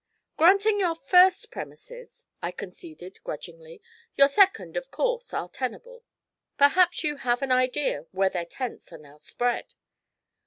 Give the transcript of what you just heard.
'Granting your first premises,' I conceded grudgingly, 'your second, of course, are tenable. Perhaps you have an idea where their "tents" are now spread?'